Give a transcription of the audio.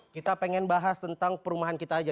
kita pengen bahas tentang perumahan kita aja